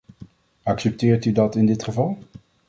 Accepteert u dat in dit geval?